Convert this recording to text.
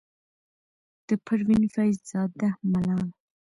د پروين فيض زاده ملال،